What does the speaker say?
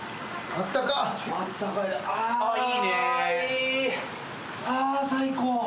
ああ最高。